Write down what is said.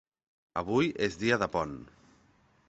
Avui és dia de pont.